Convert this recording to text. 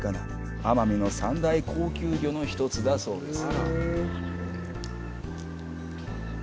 奄美の三大高級魚の一つだそうです。